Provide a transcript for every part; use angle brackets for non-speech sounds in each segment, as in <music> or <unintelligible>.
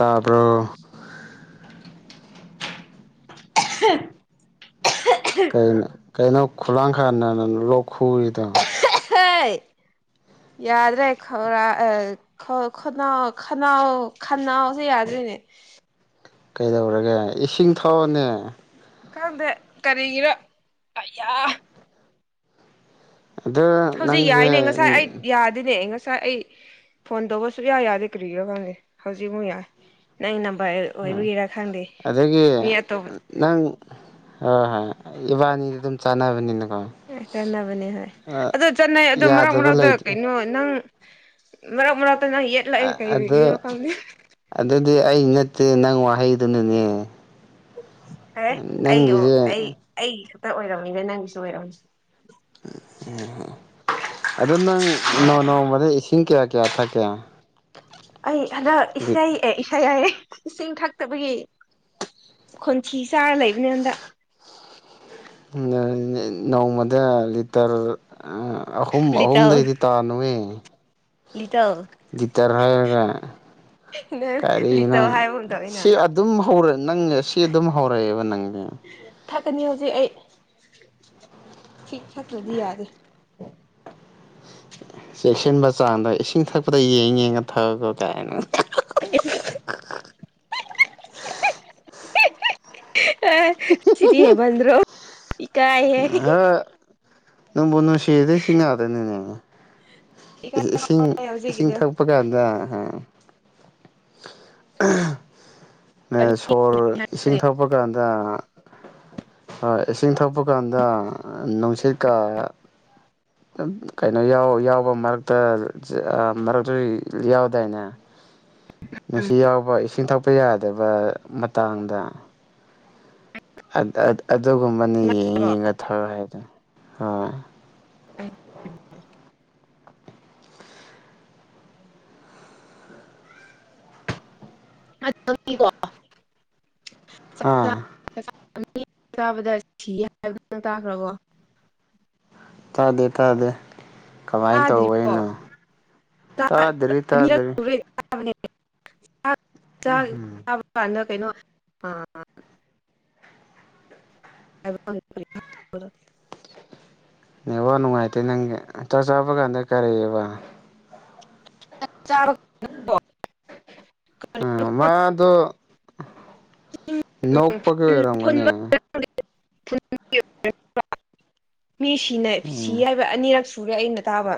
ꯍꯥꯕ꯭ꯔꯣ <unintelligible> ꯀꯩꯅꯣ ꯀꯩꯅꯣ ꯈꯨꯂꯥꯡꯈꯔꯗ ꯂꯧꯣꯛ ꯈꯨꯔꯤꯗꯣ ꯌꯥꯗ꯭ꯔꯦ ꯈꯔꯥ ꯑ ꯈ ꯈꯅꯥꯎ ꯈꯅꯥꯎ ꯈꯅꯥꯎꯁꯦ ꯌꯥꯗꯔꯤꯅꯦ ꯀꯩꯗꯧꯔꯒꯦ ꯏꯁꯤꯡ ꯊꯥꯎꯅꯦ ꯈꯪꯗꯦ ꯀꯔꯤꯒꯤꯔꯣ ꯑꯩꯌꯥ ꯑꯗꯨ ꯍꯧꯖꯤꯛ ꯅꯪꯁꯦ ꯌꯥꯏꯅꯦ ꯉꯁꯥꯏ ꯑꯩ ꯌꯥꯗꯅꯦ ꯉꯁꯥꯏ ꯑꯩ ꯐꯣꯟ ꯇꯧꯕꯁꯨ ꯌꯥ ꯌꯥꯗꯦ ꯀ꯭ꯔꯤꯔꯣ ꯈꯪꯗꯦ ꯍꯧꯖꯤꯛꯐꯛ ꯌꯥꯏ ꯅꯪ ꯅꯝꯕꯔ ꯑꯣꯏꯕꯒꯤꯔꯥ ꯈꯪꯗꯦ ꯑꯗꯒꯤ ꯃꯤ ꯑꯇꯣꯞꯄ ꯅꯪ ꯍꯣꯏ ꯍꯣꯏ ꯏꯕꯥꯅꯤꯗ ꯑꯗꯨꯝ ꯆꯥꯟꯅꯕꯅꯤꯅꯀꯣ ꯑꯦ ꯆꯠꯅꯕꯅꯦ ꯍꯣꯏ ꯑꯗꯨ ꯆꯠꯅꯩ ꯑꯗ ꯃꯔꯛ ꯌꯥꯗꯕ ꯃꯔꯛꯇ ꯂꯩꯇꯦ ꯀꯩꯅꯣ ꯅꯪ ꯃꯔꯛ ꯃꯔꯥꯛꯇ ꯅꯪ ꯌꯦꯠꯂꯛꯑꯦ ꯀꯔꯤꯒꯤꯔ ꯑꯗꯨ ꯈꯪꯗꯦ ꯑꯗꯨꯗꯤ ꯑꯩ ꯅꯠꯇꯦ ꯅꯪ ꯋꯥꯍꯩꯗꯨꯅꯅꯦ ꯍꯦ ꯑꯩꯒꯤ ꯅꯪꯒꯤꯁꯦ ꯑꯩ ꯑꯩꯒꯤ ꯈꯛꯇ ꯑꯣꯏꯔꯝꯃꯤꯗ ꯅꯪꯒꯤꯁꯨ ꯑꯣꯏꯔꯝꯃꯤꯁꯦ ꯎ ꯑꯗ ꯅꯪ ꯅꯣꯡ ꯅꯣꯡꯃꯗ ꯏꯁꯤꯡ ꯀꯌꯥ ꯀꯌꯥ ꯊꯛꯀꯦ ꯑꯩ ꯍꯗ ꯏꯁꯩ ꯑꯦ ꯏꯁꯩ ꯍꯌꯦ ꯏꯁꯤꯡ ꯊꯛꯇꯕꯒꯤ ꯈꯣꯟꯊꯤ ꯆꯥꯔ ꯂꯩꯕꯅꯤ ꯍꯟꯗꯥ ꯅꯣꯡꯃꯗ ꯂꯤꯇꯔ ꯑꯍꯨꯝ ꯂꯤꯇꯜ ꯑꯍꯨꯝꯗꯒꯤꯗꯤ ꯇꯥ ꯂꯤꯇꯜ <unintelligible> ꯒꯤꯇꯔ ꯍꯥꯏꯦꯒ ꯅꯪ ꯀꯔꯤꯅ ꯂꯤꯇꯜ ꯍꯥꯏꯕꯒꯨꯝ ꯇꯧꯋꯤꯅ ꯁꯤ ꯑꯗꯨꯝ ꯍꯧꯔ ꯅꯪ ꯁꯤ ꯑꯗꯨꯝ ꯍꯧꯔꯛꯑꯦꯕ ꯅꯪꯁ ꯊꯛꯀꯅꯤ ꯍꯧꯖꯤꯛ ꯑꯩ ꯁꯤ ꯊꯛꯇ꯭ꯔꯗꯤ ꯌꯥꯗꯦ ꯆꯦꯛꯁꯤꯟꯕ ꯆꯥꯡꯗ ꯏꯁꯤꯡ ꯊꯛꯄꯗ ꯌꯦꯡ ꯌꯦꯡꯉ ꯊꯛꯑꯒ ꯀꯥꯏꯅ <unintelligible> ꯑ ꯁꯤꯗꯤ ꯍꯦꯕꯟ꯭ꯔꯣ ꯏ ꯀꯥꯏ ꯍꯦ ꯍꯣꯏ ꯅꯪꯕꯨ ꯅꯨꯡꯁꯤꯗꯩ ꯁꯤꯁꯤꯡꯅꯔꯦꯅꯦ ꯑ ꯏꯀꯥꯏ ꯏꯁꯤꯡ ꯏꯁꯤꯡ ꯍꯧꯖꯤꯛꯀꯤꯗꯣ ꯊꯛꯄ ꯀꯥꯟꯗ ꯑ ꯁꯣꯔ ꯏꯁꯤꯡ ꯊꯛꯄ ꯀꯥꯟꯗ ꯍꯣꯏ ꯏꯁꯤꯡ ꯊꯛꯄ ꯀꯥꯟꯗ ꯅꯨꯡꯁꯤꯠꯀ ꯀꯩꯅꯣ ꯌꯥꯎꯕ ꯃꯔꯛꯇ ꯃꯔꯛꯇꯁꯨ ꯌꯥꯎꯗꯥꯏꯅꯦ ꯅꯨꯡꯁꯤ ꯌꯥꯎꯕ ꯏꯁꯤꯡ ꯊꯛꯄ ꯌꯥꯗꯕ ꯃꯇꯥꯡꯗ ꯑꯗꯨꯒꯨꯝꯕꯅ ꯌꯦꯡ ꯌꯦꯡꯉ ꯊꯧ ꯍꯥꯏꯗ ꯍꯣꯏ <unintelligible> ꯑ ꯃꯤ ꯆꯥꯕꯗ ꯁꯤ ꯍꯥꯏꯕꯗꯨ ꯇꯥꯈ꯭ꯔꯕꯣ ꯇꯥꯗꯦ ꯇꯥꯗꯦ ꯀꯃꯥꯏ ꯇꯥꯗ꯭ꯔꯤꯕꯣ ꯇꯧꯕꯩꯅꯣ ꯇꯥꯗꯔꯦ ꯇꯥꯗꯔꯦ ꯆꯥꯕꯅꯦ ꯆꯥꯛ ꯆ ꯆꯥꯕ ꯀꯥꯟꯗ ꯀꯩꯅꯣ ꯑꯥ ꯍꯥꯏꯕ <unintelligible> ꯅꯦꯠꯋꯥꯛ ꯅꯨꯡꯉꯥꯏꯇꯦ ꯅꯪꯒꯤ ꯆꯥꯛ ꯆꯥꯕ ꯀꯥꯟꯗ ꯀꯔꯤꯑꯕ ꯆꯥꯕꯛ ꯍ ꯃꯥꯗꯣ ꯎ ꯅꯣꯛꯄꯒꯤ ꯎꯝ ꯑꯣꯏꯔꯝꯒꯅꯤ <unintelligible> ꯃꯤꯁꯤꯅ ꯁꯤ ꯎꯝ ꯍꯥꯏꯕ ꯑꯅꯤꯔꯛ ꯁꯨꯔꯦ ꯑꯩꯅ ꯇꯥꯕ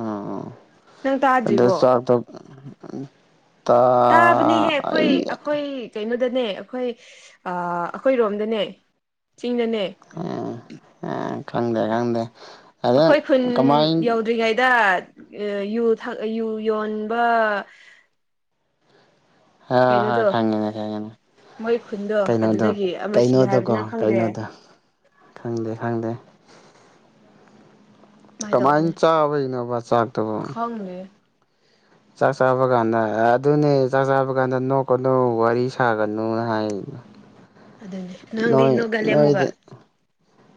ꯎꯝ ꯅꯪ ꯑꯗꯣ ꯇꯥꯗ꯭ꯔꯤꯕꯣ ꯌꯥꯡꯇꯣ <unintelligible> ꯇ ꯇꯥꯕꯅꯦꯍꯦ ꯑꯩꯈꯣꯏ <unintelligible> ꯑꯩꯈꯣꯏ ꯀꯩꯅꯣꯗꯅꯦ ꯑꯩꯈꯣꯏ ꯑꯩꯈꯣꯏꯔꯣꯝꯗꯅꯦ ꯆꯤꯡꯗꯅꯦ ꯎꯝ ꯈꯪꯗꯦ ꯈꯪꯗꯦ ꯑꯗ ꯑꯩꯈꯣꯏ ꯈꯨꯟ ꯀꯃꯥꯏꯅ ꯌꯧꯗ꯭ꯔꯤꯉꯩꯗ ꯌꯨ ꯊꯥꯡ ꯑ ꯌꯨ ꯌꯣꯟꯕ ꯍ ꯍ ꯀꯩꯅꯣꯗꯣ ꯈꯥꯡꯒꯦꯅꯦ ꯈꯦꯡꯒꯦꯅ ꯃꯣꯏ ꯈꯨꯟꯗꯣ ꯀꯩꯅꯣꯗꯣ ꯑꯗꯨꯗꯒꯤ ꯑꯃ ꯁꯤ ꯀꯩꯅꯣꯗꯣꯀꯣ ꯍꯥꯏꯕꯅ ꯈꯪꯗꯦ ꯀꯩꯅꯣꯗ ꯈꯪꯗꯦ ꯈꯪꯗꯦ ꯀꯃꯥꯏꯅ ꯀꯃꯥꯏ ꯇꯧꯕꯅꯦ ꯆꯥꯕꯩꯅꯣꯕ ꯆꯥꯛꯇꯨꯕꯣ ꯈꯪꯗꯦ ꯆꯥꯛ ꯆꯥꯕ ꯀꯥꯟꯗ ꯑꯗꯨꯅꯦ ꯆꯥꯛ ꯆꯥꯕ ꯀꯥꯟꯗ ꯅꯣꯛꯀꯅꯨ ꯋꯥꯔꯤ ꯁꯥꯒꯅꯨꯅ ꯍꯥꯏ ꯑꯗꯨꯅꯦ ꯅꯪꯗꯤ ꯅꯣꯏ ꯅꯣꯏꯒꯜꯂꯦ ꯑꯃꯨꯛꯒ ꯅꯣꯏꯗꯤ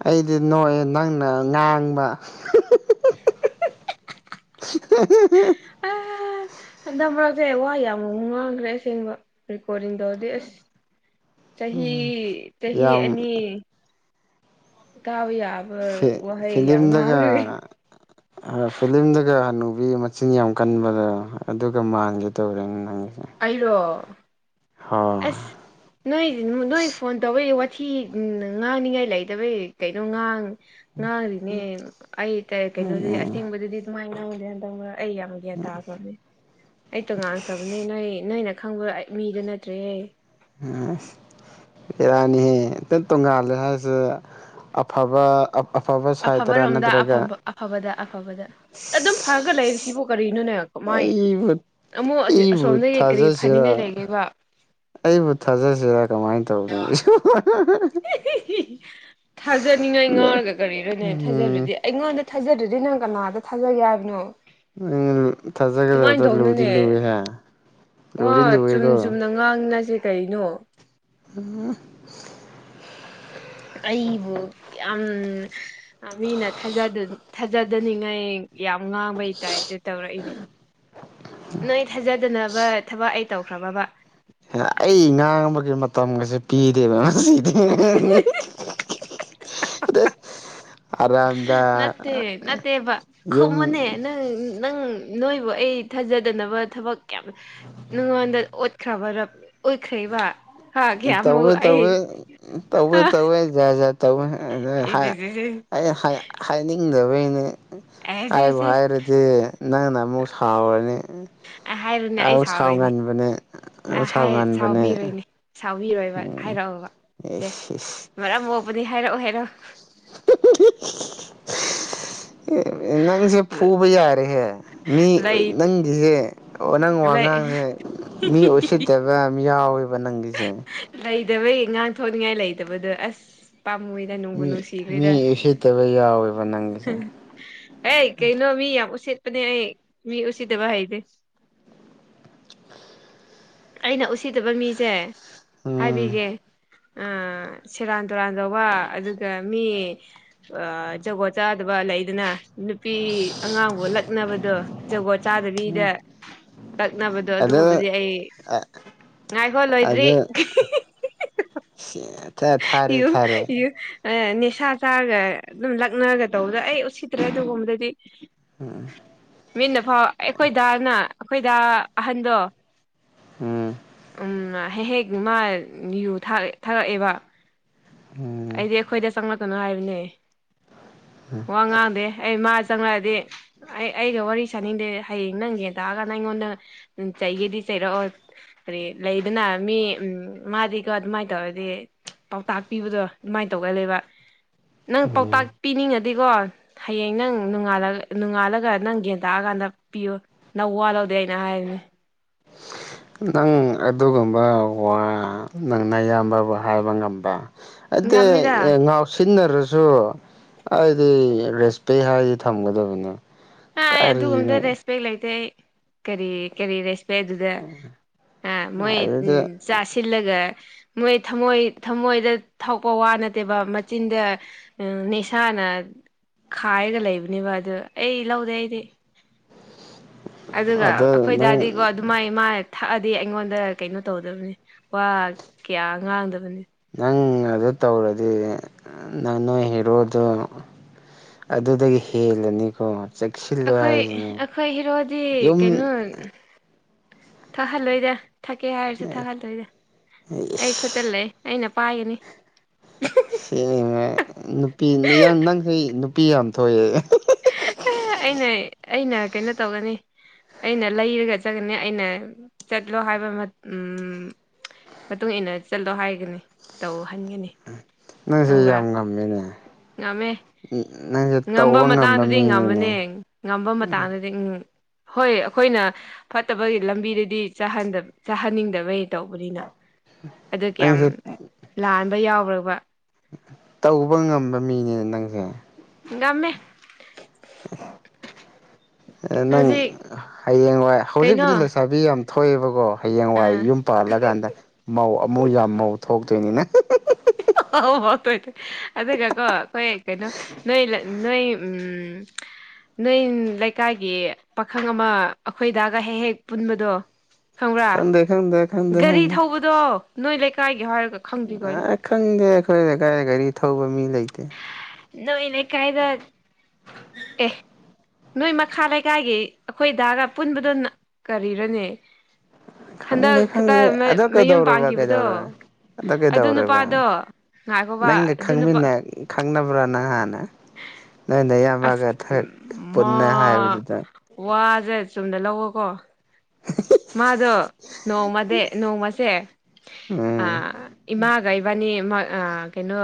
ꯑꯩꯗꯤ ꯅꯣꯛꯑꯦ ꯅꯪꯅ ꯉꯥꯡꯕ <unintelligible> ꯎ ꯍ <unintelligible> ꯑ ꯍꯟꯗꯛ ꯃꯔꯛꯁꯦ ꯋꯥ ꯌꯥꯝ ꯉꯥꯡꯈ꯭ꯔꯦ ꯑꯁꯦꯡꯕ ꯔꯦꯀꯣꯔꯗꯤꯡꯗꯣ ꯑꯁ ꯆꯍꯤ ꯆꯍꯤ ꯌꯥꯝ ꯑꯅꯤ ꯀꯥꯕ ꯌꯥ ꯐꯦꯠ ꯐꯤꯂꯤꯝꯗꯒ ꯑ ꯐꯤꯂꯝꯗꯒ ꯍꯟꯅꯨꯕꯤ ꯃꯆꯤꯟ ꯌꯥꯝ ꯀꯟꯕꯗꯣ ꯑꯗꯨꯒ ꯃꯥꯟꯒꯦ ꯇꯧꯔꯦꯅꯦ ꯅꯪꯁꯦ ꯑꯩꯔꯣ ꯍꯣ <unintelligible> ꯅꯣꯏꯗꯤ ꯅꯣꯏ ꯐꯣꯟ ꯇꯧꯕꯩ ꯋꯥꯊꯤ ꯉꯥꯡꯅꯤꯡꯉꯥꯏ ꯂꯩꯇꯕꯩ ꯀꯩꯅꯣ ꯉꯥꯡ ꯉꯥꯡꯔꯤꯅꯦ ꯑꯩ ꯀꯩ ꯀꯩꯅꯣꯗꯗꯤ ꯑꯁꯦꯡꯕꯗꯗꯤ ꯑꯗꯨꯃꯥꯏ ꯉꯥꯡꯗꯦ ꯍꯟꯇꯛ ꯃꯔꯛ ꯑꯩ ꯌꯥꯝ ꯒ꯭ꯌꯥꯟ ꯇꯥꯈ꯭ꯔꯕꯅꯦ ꯑꯩꯇꯣ ꯉꯥꯡꯈ꯭ꯔꯕꯅꯦ ꯅꯣꯏ ꯅꯣꯏꯅ ꯈꯪꯕ ꯃꯤꯗꯨ ꯅꯠꯇ꯭ꯔꯦꯍꯦ ꯑꯁ ꯕꯦꯔꯥꯅꯤꯍꯦ ꯑꯇꯪ ꯇꯣꯡꯉꯜꯂꯦ ꯍꯥꯏꯁꯦ ꯑꯐꯕ ꯑꯞ ꯑꯐꯕꯠꯁ ꯑꯐꯕꯔꯣꯝꯗ ꯑꯐꯕ ꯑꯐꯕꯗ ꯑꯐꯕꯗ ꯑꯗꯨꯝ ꯐꯔꯒ ꯂꯩꯔꯤꯁꯤꯕꯨ ꯀꯔꯤꯅꯣꯅꯦ ꯃꯥꯏ ꯑꯩꯕꯨ ꯑꯃꯨꯛ ꯑꯁꯤ ꯑꯩꯕꯨ ꯑꯁꯣꯝꯗꯒꯤ ꯀꯔꯤ ꯐꯅꯤꯡꯉꯥꯏ ꯊꯥꯖꯁꯤꯔꯥ ꯂꯩꯒꯦꯕ ꯑꯩꯕꯨ ꯊꯥꯖꯁꯤꯔꯥ ꯀꯃꯥꯏ ꯇꯧꯗꯣꯏꯅꯣ ꯊꯥꯖꯅꯤꯡꯉꯥꯏ ꯉꯥꯡꯔꯒ ꯀꯔꯤꯔꯅꯦ ꯎꯝ ꯊꯥꯖꯜꯂꯗꯤ ꯑꯩꯉꯣꯟꯗ ꯊꯥꯖꯗ꯭ꯔꯗꯤ ꯅꯪ ꯀꯅꯥꯗ ꯊꯥꯖꯒꯦ ꯍꯥꯏꯕꯅꯣ ꯑꯗꯨꯃꯥꯏꯅ ꯊꯥꯖꯒꯗꯕꯗ ꯂꯨꯗꯤ ꯇꯧꯅꯨꯅꯦ ꯂꯨꯋꯦꯍꯦ ꯂꯨꯗꯤ ꯋꯥ ꯂꯨꯋꯦꯀꯣ ꯆꯨꯝ ꯆꯨꯝꯅ ꯉꯥꯡꯅꯁꯦ ꯀꯩꯅꯣ ꯎꯝ ꯑꯩꯕꯨ ꯌꯥꯝ ꯑ ꯃꯤꯅ ꯊꯥꯖꯗ ꯊꯥꯖꯗꯅꯤꯡꯉꯥꯏ ꯌꯥꯝ ꯉꯥꯡꯕꯩ ꯇꯥꯏꯞꯇ ꯇꯧꯔꯛꯏꯅꯦ ꯅꯣꯏ ꯊꯥꯖꯗꯅꯕ ꯊꯕꯛ ꯑꯩ ꯇꯧꯈ꯭ꯔꯕꯕꯥ ꯑꯩ ꯉꯥꯡꯕꯒꯤ ꯃꯇꯝꯒꯁꯦ ꯄꯤꯗꯦꯕ ꯉꯁꯤ ꯑꯗ ꯑꯔꯥꯝꯗꯥ ꯅꯠꯇꯦ ꯅꯠꯇꯦꯕ ꯌꯨꯝ ꯈꯨꯝꯃꯨꯅꯦ ꯅꯪ ꯅꯪ ꯅꯣꯏꯕꯨ ꯑꯩ ꯊꯥꯖꯗꯅꯕ ꯊꯕꯛ ꯀꯌꯥꯝ ꯅꯪꯉꯣꯟꯗ ꯑꯣꯠ ꯀꯕꯔ ꯑꯞ ꯑꯣꯏꯈ꯭ꯔꯩꯕ ꯇꯧꯋꯦ ꯇꯧꯋꯦ ꯇꯧꯋꯦ ꯍꯥ ꯇꯧꯋꯦ ꯖꯥꯠ ꯖꯥꯠ ꯇꯧꯋꯦ ꯑꯦꯁ ꯑꯦꯁ ꯑꯩ ꯍꯥꯏꯅꯤꯡꯗꯕꯩꯅꯤ ꯑꯦꯁ ꯑꯦꯁ ꯍꯥꯏꯕꯨ ꯑꯦꯁ ꯍꯥꯏꯔꯗꯤ ꯅꯪꯅ ꯑꯃꯨꯛ ꯁꯥꯎꯔꯅꯤ ꯑꯦꯁ ꯍꯥꯏꯔꯨꯅꯦ ꯑꯩ ꯑꯧ ꯁꯥꯎꯔꯣꯏꯅꯦ ꯁꯥꯎꯒꯟꯕꯅꯦ ꯌꯝ ꯑ ꯍꯥꯏ ꯁꯥꯎꯒꯟꯕꯅꯦ ꯁꯥꯎꯕꯤꯔꯣꯏꯅꯦ ꯁꯥꯎꯕꯤꯔꯣꯏꯕ ꯍꯥꯏꯔꯛꯑꯣꯕ ꯁꯦ ꯑꯦꯁ ꯏꯁ ꯃꯔꯝ ꯃꯣꯛꯄꯅꯤ ꯍꯥꯏꯔꯛꯑꯣ ꯍꯥꯏꯔꯛꯑꯣ <inaudible> ꯑꯦ ꯑꯦ ꯅꯪꯁꯦ ꯐꯨꯕ ꯌꯥꯔꯦꯍꯦ ꯃꯤ ꯂꯩ ꯅꯪꯒꯤꯁꯦ ꯑꯣ ꯅꯪ ꯂꯩ ꯋꯥꯉꯥꯡꯁꯦ ꯃꯤ ꯎꯁꯤꯠꯇꯕ ꯌꯥꯝ ꯌꯥꯎꯋꯦꯕ ꯅꯪꯒꯤꯁꯦ ꯂꯩꯇꯕꯩ ꯉꯥꯡꯊꯣꯛꯅꯤꯡꯉꯥꯏ ꯂꯩꯇꯕꯗꯣ ꯑꯁ ꯄꯥꯝꯃꯨꯏ ꯃꯤ ꯃꯤ ꯎꯁꯤꯠꯇꯕ ꯌꯥꯎꯋꯦꯕ ꯅꯪꯒꯤꯁꯦ ꯍꯦ ꯀꯩꯅꯣ ꯃꯤ ꯌꯥꯝ ꯎꯁꯤꯠꯄꯅꯦ ꯑꯩ ꯃꯤ ꯎꯁꯤꯠꯇꯕ ꯍꯩꯇꯦ ꯑꯩꯅ ꯎꯁꯤꯠꯇꯕ ꯃꯤꯁꯦ ꯎꯝ ꯍꯥꯏꯕꯤꯒꯦ ꯑ ꯁꯦꯔꯥꯟ ꯇꯨꯔꯥꯟ ꯇꯧꯕ ꯑꯗꯨꯒ ꯃꯤ ꯑ ꯖꯒꯣꯠ ꯆꯥꯗꯕ ꯂꯩꯗꯅ ꯅꯨꯄꯤ ꯑꯉꯥꯡꯕꯨ ꯂꯛꯅꯕꯗꯣ ꯖꯒꯣꯠ ꯆꯥꯗꯕꯤꯗ ꯂꯛꯅꯕꯗꯣ ꯑꯗꯨ ꯑꯗꯨꯒꯨꯝꯕꯗꯤ ꯑꯩ ꯉꯥꯏꯈꯣ ꯂꯣꯏꯗ꯭ꯔꯤ ꯑꯗꯨ ꯊꯥꯔꯦ ꯊꯥꯔꯦ <unintelligible> ꯅꯤꯁꯥ ꯆꯥꯔꯒ ꯑꯗꯨꯝ ꯂꯛꯅꯒ ꯇꯧꯕꯗ ꯑꯩ ꯎꯁꯤꯠꯇ꯭ꯔꯦ ꯑꯗꯨꯒꯨꯝꯕꯗꯗꯤ ꯎꯝ ꯃꯤꯅ ꯐꯥꯎ ꯑꯩꯈꯣꯏꯗꯥꯅ ꯑꯩꯈꯣꯏꯗ ꯑꯍꯟꯗꯣ ꯎꯝ ꯎꯝ ꯍꯦꯛ ꯍꯦꯛ ꯃꯥ ꯅꯤꯨ ꯊꯥꯔꯛꯑꯦꯕ ꯎꯝ ꯑꯩꯗꯤ ꯑꯩꯈꯣꯏꯗ ꯆꯪꯂꯛꯀꯅꯨ ꯍꯥꯏꯕꯅꯦ ꯋꯥ ꯉꯥꯡꯗꯦ ꯑꯩ ꯃꯥ ꯆꯪꯂꯛꯑꯗꯤ ꯑꯩ ꯑꯩꯒ ꯋꯥꯔꯤ ꯁꯥꯅꯤꯡꯗꯦ ꯍꯌꯦꯡ ꯅꯪꯒꯦ ꯇꯥꯛꯑꯒꯅ ꯑꯩꯉꯣꯟꯗ ꯆꯩꯒꯗꯤ ꯆꯩꯔꯛꯑꯣ ꯍꯥꯏ ꯂꯩꯗꯅ ꯃꯤ ꯃꯥꯗꯤꯒꯣ ꯑꯗꯨꯃꯥꯏꯅ ꯇꯧꯔꯗꯤ ꯄꯥꯎꯇꯥꯛ ꯄꯤꯕꯗꯣ ꯑꯗꯨꯃꯥꯏꯅ ꯇꯧꯒ ꯂꯩꯕ ꯅꯪ ꯄꯥꯎꯇꯥꯛ ꯎꯝ ꯄꯤꯅꯤꯡꯉ ꯑꯗꯨꯗꯤꯀꯣ ꯍꯌꯦꯡ ꯅꯪ ꯅꯉꯥꯜꯂ ꯅꯣꯡꯉꯥꯜꯂꯒ ꯅꯪ ꯌꯦꯟ ꯇꯥꯛꯑꯀꯥꯟꯗ ꯄꯤꯌꯨ ꯅꯪ ꯋꯥꯠꯍꯧꯗꯦ ꯑꯩꯅ ꯍꯥꯏꯔꯤꯅꯦ <unintelligible> ꯅꯪ ꯑꯗꯨꯒꯨꯝꯕ ꯋꯥ ꯅꯪꯅꯌꯥꯝꯕꯕꯨ ꯍꯥꯏꯕ ꯉꯝꯕ ꯑꯗꯤ ꯉꯝꯃꯤꯗ ꯉ ꯁꯤꯟꯅꯔꯁꯨ ꯑꯩꯗꯤ ꯔꯦꯁꯄꯦꯛ ꯍꯥꯏꯗꯤ ꯊꯝꯒꯗꯕꯅꯤ ꯍꯥꯏ ꯑꯗꯨꯒꯨꯝꯕꯗ ꯔꯦꯁꯄꯦꯛ ꯂꯩꯇꯦ ꯀꯔꯤ ꯀꯔꯤ ꯦ ꯑꯗꯨꯗ ꯑ ꯃꯣꯏ ꯎ ꯑꯗꯨꯗꯤ ꯆꯥꯁꯤꯜꯂꯒ ꯃꯣꯏ ꯊꯝꯃꯣꯏ ꯊꯃꯣꯏꯗ ꯊꯥꯛꯄ ꯋꯥ ꯅꯠꯇꯦꯕ ꯃꯆꯤꯟꯗ ꯎ ꯅꯦꯁꯥꯅ ꯈꯥꯏꯔꯒ ꯂꯩꯕꯅꯦꯕ ꯑꯗꯨ ꯑꯩ ꯂꯧꯗꯦ ꯑꯩꯗꯤ ꯑꯗꯨꯒ ꯑꯗꯨ ꯅꯪ ꯑꯩꯈꯣꯏꯗꯗꯥꯗꯤꯀꯣ ꯑꯗꯨꯃꯥꯏꯅ ꯃꯥꯥꯏ ꯊꯛꯑꯗꯤ ꯑꯩꯉꯣꯟꯗ ꯀꯩꯅꯣ ꯇꯧꯗꯕꯅꯤ ꯋꯥ ꯀꯌꯥ ꯉꯥꯡꯗꯕꯅꯤ ꯅꯪ ꯑꯗꯨ ꯇꯧꯔꯗꯤ ꯅꯪ ꯅꯣꯏ ꯍꯦꯔꯣꯗ ꯑꯗꯨꯗꯒꯤ ꯍꯦꯜꯂꯅꯤꯀꯣ ꯆꯦꯛꯁꯤꯜꯂꯣ ꯑꯩꯈꯣꯏ ꯍꯥꯏꯔꯤꯁꯤꯅꯦ ꯑꯩꯈꯣꯏ ꯍꯤꯔꯣꯗꯤ ꯌꯨꯝ ꯀꯩꯅꯣ ꯊꯛꯍꯜꯂꯣꯏꯗ ꯊꯛꯀꯦ ꯍꯥꯏꯔꯁꯨ ꯊꯛꯍꯜꯂꯣꯏꯗ ꯑꯩ ꯈꯨꯠꯇ ꯂꯩ ꯑꯩꯅ ꯄꯥꯏꯒꯅꯤ ꯉ ꯅꯨꯄꯤ ꯅꯪꯁ ꯅꯨꯄꯤ ꯌꯥꯝ ꯊꯣꯛꯑꯦ ꯑꯦ ꯑꯩꯅ ꯑꯩꯅ ꯀꯩꯅꯣ ꯇꯧꯒꯅꯤ ꯑꯩꯅ ꯂꯩꯔꯒ ꯆꯠꯒꯅꯤ ꯑꯩꯅ ꯆꯠꯂꯣ ꯍꯥꯏꯕ ꯃꯇꯨꯡ ꯏꯟꯅ ꯆꯠꯂꯣ ꯍꯥꯏꯒꯅꯤ ꯇꯧꯍꯟꯒꯅꯤ ꯅꯪꯁꯦ ꯈꯪꯕ꯭ꯔꯥ ꯌꯥꯝ ꯉꯝꯃꯤꯅꯦ ꯉꯝꯃꯦ ꯅꯪꯁꯦ ꯇꯧꯕ ꯉꯝꯃꯤ ꯑꯗꯨꯗꯤ ꯉꯝꯃꯅꯦ ꯉꯝꯕ ꯃꯇꯥꯡꯗꯗꯤ ꯎꯝ ꯍꯣꯏ ꯑꯩꯈꯣꯏꯅ ꯐꯠꯇꯕꯒꯤ ꯂꯝꯕꯤꯗꯗꯤ ꯆꯥꯍꯟꯅꯤꯡꯗꯕꯩ ꯇꯧꯕꯅꯤꯅ ꯑꯗꯨꯒꯤ ꯌꯥꯝ ꯅꯪꯁꯨ ꯂꯥꯟꯕ ꯌꯥꯎꯕꯔꯕ ꯇꯧꯕ ꯉꯝꯕ ꯃꯤꯅꯤꯅꯦ ꯅꯪꯁꯦ ꯉꯝꯃꯦ ꯅꯪ ꯍꯧꯖꯤꯛ ꯍꯌꯦꯡꯋꯥꯏ ꯀꯩꯅꯣ ꯍꯧꯖꯤꯛꯄꯨꯗꯤ ꯂꯩꯁꯥꯕꯤ ꯕꯤ ꯌꯥꯝ ꯊꯣꯛꯑꯦꯕꯀꯣ ꯍꯌꯦꯡꯋꯥꯏ ꯑꯥ ꯌꯨꯝ ꯄꯥꯜꯂꯀꯥꯟꯗ ꯃꯧ ꯑꯃꯨꯛ ꯌꯥꯝ ꯃꯧ ꯊꯣꯛꯇꯣꯏꯅꯤꯅ ꯑꯣ ꯍꫭ ꯍꫭ ꯇꯣꯏ ꯇꯣꯏ ꯑꯗꯨꯒ ꯀꯣ ꯑꯩꯈꯣꯏ ꯀꯩꯅꯣ ꯅꯣꯏ ꯂꯩ ꯅꯣꯏ ꯎꯝ ꯅꯣꯏ ꯂꯩꯀꯥꯏꯒꯤ ꯄꯥꯈꯪ ꯑꯃ ꯑꯩꯈꯣꯏꯗꯥꯒ ꯍꯦꯛ ꯍꯦꯛ ꯄꯨꯟꯕꯗꯣ ꯈꯪꯕ꯭ꯔꯥ ꯈꯪꯗꯦ ꯈꯪꯗꯦ ꯈꯪꯗꯦ ꯒꯥꯔꯤ ꯈꯪꯗꯦ ꯊꯧꯕꯗꯣ ꯅꯣꯏ ꯂꯩꯀꯥꯏꯒꯤ ꯍꯥꯏꯔꯒ ꯈꯪꯗꯦ ꯀꯩꯅꯣ ꯑ ꯈꯪꯗꯦ ꯑꯩꯈꯣꯏ ꯀꯒꯥꯔꯤ ꯒꯥꯔꯤ ꯊꯧꯕ ꯃꯤ ꯂꯩꯇꯦ ꯅꯣꯏꯣꯏꯅꯦ ꯀꯥꯏꯗ ꯑꯦ ꯅꯣꯏ ꯃꯈꯥ ꯂꯩꯀꯥꯏꯒꯤ ꯑꯩꯈꯣꯏꯗꯥꯒ ꯄꯨꯟꯕꯗ ꯀꯔꯤꯔꯅꯦ ꯍꯟꯗꯛ ꯈꯪꯗꯦ ꯈꯤꯇ ꯈꯪꯗꯦ ꯑꯗꯨ ꯃꯌꯨꯝ ꯀꯩꯗꯧꯔꯕ ꯄꯥꯟꯈꯤꯕꯗꯣ ꯀꯩꯗꯧꯔꯕ ꯑꯗꯨ ꯀꯩꯗꯧ꯭ꯔꯦꯕ ꯉꯥꯏꯈꯣꯕ ꯅꯪꯒ ꯑꯗꯨ ꯅꯨꯄꯥ ꯈꯪꯃꯤꯟꯅ ꯈꯪꯅꯕ꯭ꯔꯥ ꯅꯍꯥꯟ ꯅꯣꯏ ꯑꯁ ꯅꯌꯥꯝꯕꯒ ꯊꯔꯛ ꯄꯨꯟꯅ ꯍꯥꯏꯕꯗꯨꯗ ꯋꯥꯖꯦ ꯆꯨꯝꯅ ꯂꯧꯋꯣꯀꯣ ꯃꯥꯗꯣ ꯅꯣꯡꯃꯗꯤ ꯅꯣꯡꯃꯁꯦ ꯑ ꯎꯝ ꯏꯃꯥꯒ ꯏꯕꯥꯏꯅꯤ ꯃꫭꯏ ꯑ ꯀꯩꯅꯣ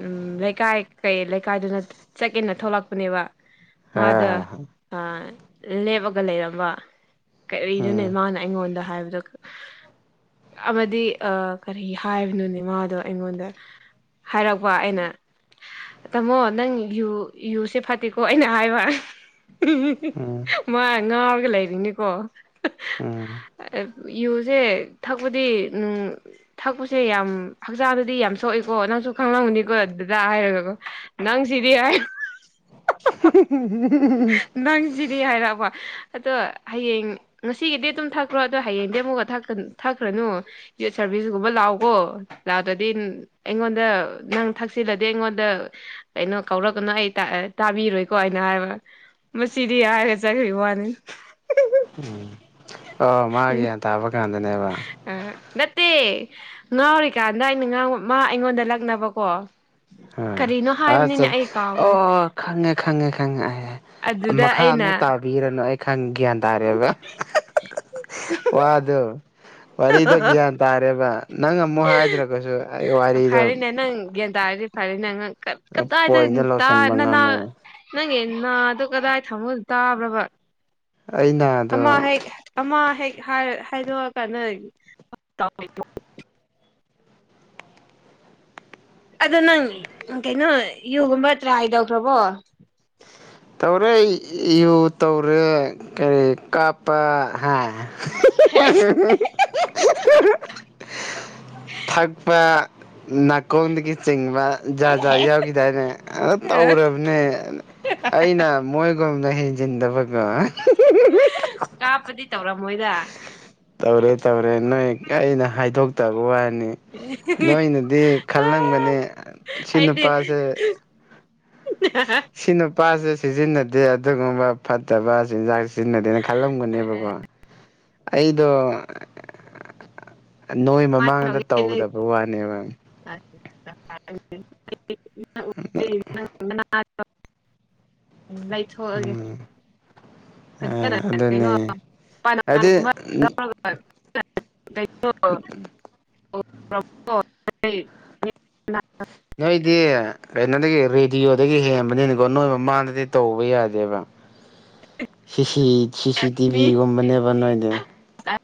ꯎꯝ ꯂꯩꯀꯥꯏ ꯀꯩ ꯂꯩꯀꯥꯏꯗꯨꯅ ꯆꯠꯀꯦꯅ ꯊꯣꯛꯂꯛꯄꯅꯦꯕ ꯃꯥꯗꫭ ꯍ ꯑ ꯂꯦꯞꯄꯒ ꯂꯩꯔꯝꯕ ꯀꯔꯤ ꯅꫭꯅꯦ ꯎꯝ ꯃꯥꯅ ꯑꯩꯉꯣꯟꯗ ꯍꯥꯏꯕꯗꯨ ꯑꯃꯗꯤ ꯑ ꯀꯔꯤ ꯍꯥꯏꯕꯅꯣꯅꯦ ꯃꯥꯗꯣ ꯑꯩꯉꯣꯟꯗ ꯍꯥꯏꯔꯛꯄ ꯑꯩꯅ ꯇꯥꯃꯣ ꯅꯪ ꯌꯨ ꯌꯨꯁꯦ ꯐꯠꯇꯦꯀꯣ ꯑꯩꯅ ꯍꯥꯏꯕ ꯎꯝ ꯃꯥ ꯉꯥꯎꯔꯒ ꯂꯩꯔꯤꯅꯤꯀꯣ ꯎꯝ ꯌꯨꯁꯦ ꯊꯛꯄꯗꯤ ꯎꯝ ꯊꯛꯄꯁꯦ ꯌꯥꯝ ꯍꯛꯆꯥꯡꯗꯗꯤ ꯌꯥꯝ ꯁꯣꯛꯏꯀꯣ ꯅꯪꯁꯨ ꯈꯪꯂꯝꯒꯅꯤꯀꯣ ꯗꯗꯥ ꯍꯥꯏꯔꯒꯀꯣ ꯅꯪꯁꯤꯗꯤ ꯑꯩ <unintelligible> ꯅꯪꯁꯤꯗꯤ ꯍꯥꯏꯔꯛꯑꯕ ꯑꯗꯣ ꯍꯌꯦꯡ ꯉꯁꯤꯒꯤꯗꯤ ꯑꯗꯨꯝ ꯊꯛꯈ꯭ꯔꯣ ꯑꯗꯨ ꯍꯌꯦꯡꯗꯩ ꯑꯃꯨꯛꯀ ꯊꯛꯀ ꯊꯛꯈ꯭ꯔꯅꯨ ꯗꯦꯠ ꯁꯥꯕꯦꯟꯒꯨꯝꯕ ꯂꯥꯛꯑꯣꯀꯣ ꯂꯥꯛꯗ꯭ꯔꯗꯤ ꯎꯝ ꯑꯩꯉꯣꯟꯗ ꯅꯪ ꯊꯛꯆꯤꯜꯂꯗꯤ ꯑꯩꯉꯣꯟꯗ ꯀꯩꯅꯣ ꯀꯧꯔꯛꯀꯅꯣ ꯑꯩ ꯇꯥ ꯇꯥꯕꯤꯔꯣꯏꯀꯣ ꯑꯩꯅ ꯍꯥꯏꯕ ꯃꯁꯤꯗꯤ ꯍꯥꯏꯔꯒ ꯆꯠꯈꯤꯕꯩ ꯋꯥꯅꯤ ꯎꯝ ꯑꯣ ꯃꯥ ꯒ꯭ꯌꯥꯟ ꯇꯥꯕ ꯀꯥꯟꯗꯅꯦꯕ ꯎꯝ ꯅꯠꯇꯦ ꯉꯥꯎꯔꯤꯀꯥꯟꯗ ꯑꯩꯅ ꯉꯥꯎ ꯃꯥ ꯑꯩꯉꯣꯟꯗ ꯂꯛꯅꯕꯀꯣ ꯀꯔꯤꯅꯣ ꯑ ꯑꯠꯁꯥ ꯍꯥꯏꯕꯅꯤꯅꯦ ꯑꯩ ꯀꯥꯎꯈ꯭ꯔꯦ ꯑꫭ ꯈꯪꯉꯦ ꯈꯪꯉꯦ ꯈꯪꯉꯦ ꯑꯩ ꯑꯗꯨꯗ ꯃꯈꯥ ꯑꯩꯅ ꯑꯃꯨꯛ ꯇꯥꯕꯤꯔꯅꯨ ꯑꯩ ꯈꯪ ꯒ꯭ꯌꯥꯟ ꯇꯥꯔꯦꯕ ꯋꯥꯗꯨ ꯋꯥꯔꯤꯗꯣ ꯒ꯭ꯌꯥꯟ ꯇꯥꯔꯦꯕ ꯅꯪ ꯑꯃꯨꯛ ꯍꯥꯏꯗ꯭ꯔꯒꯁꯨ ꯑꯩ ꯋꯥꯔꯤꯗꯣ ꯐꯔꯦꯅꯦ ꯅꯪ ꯒ꯭ꯌꯥꯟ ꯇꯥꯔꯗꯤ ꯐꯔꯦ ꯅꯪ ꯄꯣꯏꯟꯗ ꯂꯧꯁꯤꯟꯕ ꯉꯝꯃꯦ <unintelligible> ꯅꯪꯒꯤ ꯅꯥꯗꯨ ꯀꯗꯥꯏ ꯊꯝꯃ ꯇꯥꯕ꯭ꯔꯕ ꯑꯩꯅꯥ ꯑꯃ ꯍꯦꯛ ꯑꯃ ꯍꯦꯛ ꯍꯥꯏ ꯍꯥꯏꯗꯣꯛꯑꯀꯥꯟꯗ <unintelligible> ꯑꯗꯨ ꯅꯪ ꯀꯩꯅꯣ ꯌꯨꯒꯨꯝꯕ ꯇ꯭ꯔꯥꯏ ꯇꯧꯈ꯭ꯔꯕꯣ ꯇꯧꯔꯦ ꯑꯩ ꯌꯨ ꯇꯧꯔꯦ ꯀꯔꯤ ꯀꯥꯞꯄ ꯍꯥ <unintelligible> ꯊꯛꯄ ꯅꯥꯀꯣꯡꯗꯒꯤ ꯆꯤꯡꯕ ꯖꯥꯠ ꯖꯥꯠ ꯌꯥꯎꯈꯤꯗꯥꯏꯅꯦ ꯑ ꯇꯧꯔꯕꯅꯦ ꯑꯩꯅ ꯃꯣꯏꯒꯨꯝꯅ ꯍꯦꯟꯖꯤꯟꯗꯕꯒꯣ ꯀꯥꯞꯄꯗꯤ ꯇꯧꯔꯝꯃꯣꯏꯗ ꯇꯧꯔꯦ ꯇꯧꯔꯦ ꯅꯣꯏ ꯑꯩꯅ ꯍꯥꯏꯗꯣꯛ ꯇꯕꯒꯤ ꯋꯥꯅꯤ ꯅꯣꯏꯅꯗꯤ ꯈꯜꯂꯝꯒꯅꯤ ꯁꯤ ꯑꯩꯗꯤ ꯅꯨꯄꯥꯁꯦ <unintelligible> ꯁꯤ ꯅꯨꯄꯥꯖꯦ ꯁꯤꯖꯤꯟꯅꯗꯦ ꯑꯗꯨꯒꯨꯝꯕ ꯐꯠꯇꯕ ꯆꯤꯟꯖꯥꯛ ꯁꯤꯖꯤꯟꯅꯗꯦꯅ ꯈꯜꯂꯝꯒꯅꯦꯕꯀꯣ ꯑꯩꯗꯣ ꯅꯣꯏ ꯀꯃꯥꯏꯅ ꯃꯃꯥꯡꯗ ꯇꯧꯒꯦ ꯇꯧꯗꯕ ꯋꯥꯅꯦꯕ <inaudible> <unintelligible> <unintelligible> <inaudible> <unintelligible> ꯎꯝ ꯐꯖꯅ ꯀꯩꯅꯣ ꯑꯗꯨꯅꯦ <unintelligible> ꯍꯥꯏꯗꯤ ꯂꯧꯒ ꯎꯝ ꯅꯣꯏꯗꯤ ꯀꯩꯅꯣꯗꯒꯤ ꯔꯦꯗꯤꯑꯣꯗꯒꯤ ꯍꯦꯟꯕꯅꯤꯅꯀꯣ ꯅꯣꯏ ꯃꯃꯥꯡꯗꯗꯤ ꯇꯧꯕ ꯌꯥꯗꯦꯕ <inaudible> ꯁꯤꯁꯤ ꯇꯤꯚꯤꯒꯨꯝꯕꯅꯦꯕ ꯅꯣꯏꯗꯤ ꯑ